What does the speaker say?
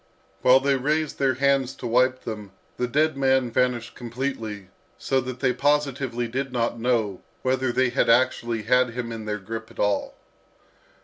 While they raised their hands to wipe them, the dead man vanished completely, so that they positively did not know whether they had actually had him in their grip at all.